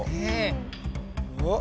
あっ。